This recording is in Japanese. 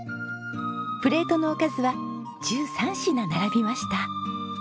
プレートのおかずは１３品並びました。